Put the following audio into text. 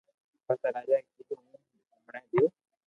پسي راجا اي ڪيدو ڪو ھون ھمڙي ديو